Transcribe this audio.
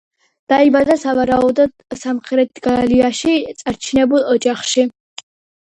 დაიბადა სავარაუდოდ სამხრეთ გალიაში, წარჩინებულ ოჯახში.